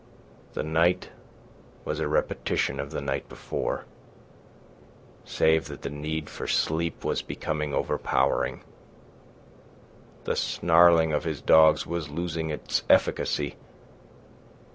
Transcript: The night was a repetition of the night before, save that the need for sleep was becoming overpowering. The snarling of his dogs was losing its efficacy.